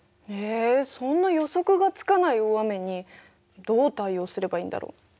えそんな予測がつかない大雨にどう対応すればいいんだろう。